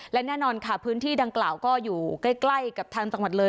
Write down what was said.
และแน่นอนค่ะพื้นที่ดังกล่าวก็อยู่ใกล้กับทางจังหวัดเลย